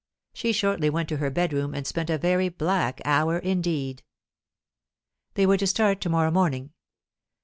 She shortly went to her bedroom, and spent a very black hour indeed. They were to start to morrow morning.